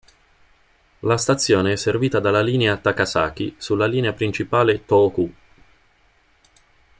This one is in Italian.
La stazione è servita dalla linea Takasaki sulla linea principale Tōhoku.